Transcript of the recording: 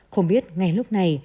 không biết ngay lúc này